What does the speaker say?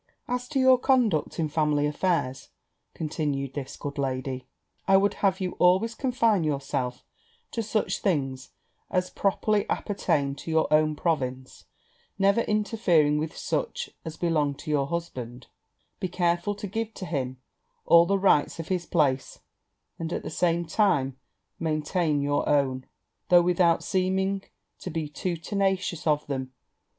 'As to your conduct in family affairs,' continued this good lady, 'I would have you always confine yourself to such things as properly appertain to your own province, never interfering with such as belong to your husband: be careful to give to him all the rights of his place, and, at the same time, maintain your own, though without seeming to be too tenacious of them.